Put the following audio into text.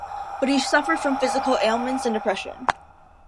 But he suffered from physical ailments and depression.